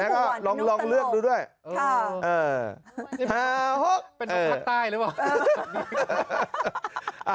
ค่ะ